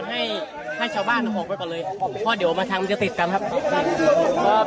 ให้ให้ชาวบ้านออกไปก่อนเลยเพราะเดี๋ยวมาทางมันจะติดกันครับ